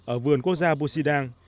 ở vườn quốc gia busidang